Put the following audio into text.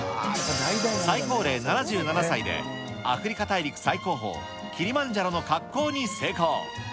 最高齢７７歳で、アフリカ大陸最高峰、キリマンジャロの滑降に成功。